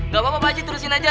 gak apa apa maju terusin aja